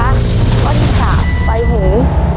ตัวเลือดที่สามใบหู